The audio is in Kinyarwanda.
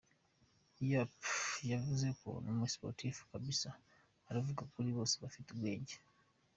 yp yavuze nkumu sportif kbs uravuga ukuri bose bafite ubwenjye.